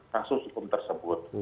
kasus hukum tersebut